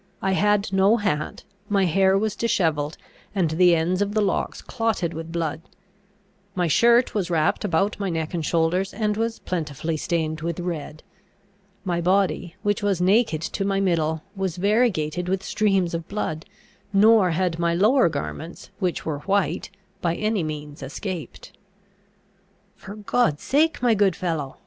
I had no hat. My hair was dishevelled, and the ends of the locks clotted with blood. My shirt was wrapped about my neck and shoulders, and was plentifully stained with red. My body, which was naked to my middle, was variegated with streams of blood; nor had my lower garments, which were white, by any means escaped. "For God's sake, my good fellow!"